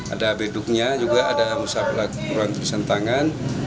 ada beduknya juga ada musablat ruang tulisan tangan